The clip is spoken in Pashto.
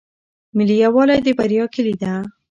ملي یووالی د بریا کیلي ده.